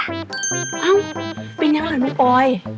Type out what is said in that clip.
อ้าวเป็นอย่างไรมันปล่อย